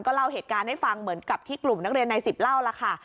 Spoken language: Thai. เล่าเหตุการณ์ให้ฟังเหมือนกับที่กลุ่มนักเรียนใน๑๐เล่าล่ะค่ะ